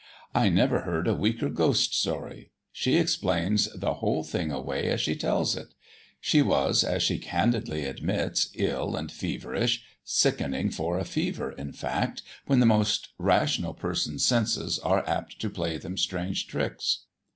"I never heard a weaker ghost story. She explains the whole thing away as she tells it. She was, as she candidly admits, ill and feverish sickening for a fever, in fact, when the most rational person's senses are apt to play them strange tricks.